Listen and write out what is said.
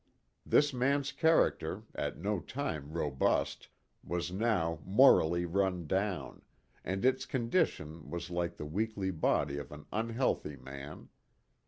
This man's character, at no time robust, was now morally run down, and its condition was like the weakly body of an unhealthy man.